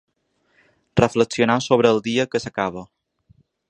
Reflexionar sobre el dia que s’acaba.